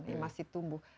yang masih tumbuh